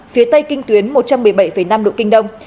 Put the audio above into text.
phía tây kinh tuyến một trăm một mươi bảy năm độ kinh đông